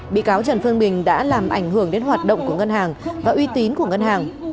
bị cáo trần phương bình đã làm ảnh hưởng đến hoạt động của ngân hàng và uy tín của ngân hàng